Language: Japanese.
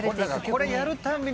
これやるたんびに